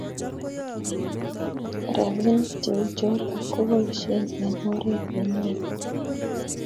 Rabinik che uchotok keboishe eng' oret ne nyalu